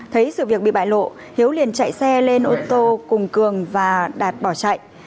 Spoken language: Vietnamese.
thấy sự việc bị bại lộ hiếu liền chạy xe lên ô tô cùng cường và đạt bỏ chạy